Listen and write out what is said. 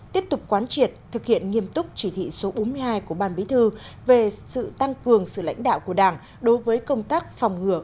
tiếp tục quán triệt thực hiện nghiêm túc chỉ thị số bốn mươi hai của ban bí thư về sự tăng cường sự lãnh đạo của đảng đối với công tác phòng ngừa